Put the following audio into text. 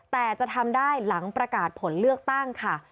แต่จะทำได้หลังประกาศผลเลือกตั้งค่ะ